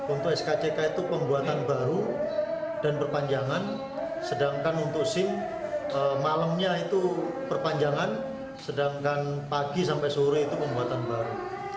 untuk skck itu pembuatan baru dan perpanjangan sedangkan untuk sim malamnya itu perpanjangan sedangkan pagi sampai sore itu pembuatan baru